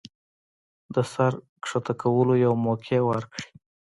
د سر ښکته کولو يوه موقع ورکړي